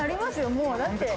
もうだって。